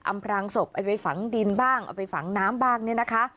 พรางศพเอาไปฝังดินบ้างเอาไปฝังน้ำบ้างเนี่ยนะคะ